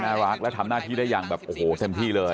น่ารักและทำหน้าที่ได้อย่างแบบโอ้โหเต็มที่เลย